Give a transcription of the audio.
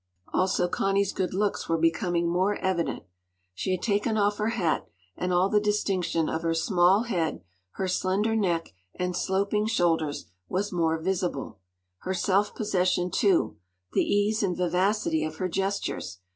Also Connie’s good looks were becoming more evident. She had taken off her hat, and all the distinction of her small head, her slender neck and sloping shoulders, was more visible; her self possession, too, the ease and vivacity of her gestures.